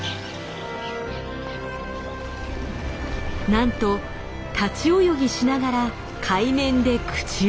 なんと立ち泳ぎしながら海面で口を開く。